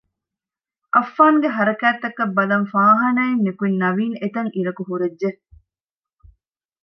އައްފާންގެ ހަރަކާތްތަކަށް ބަލަން ފާހާނާއިން ނިކުތް ނަވީން އެތަށް އިރަކު ހުރެއްޖެ